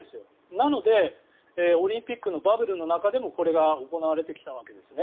なので、オリンピックのバブルの中でもこれが行われてきたわけですね。